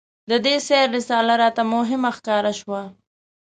د دې سیر رساله راته مهمه ښکاره شوه.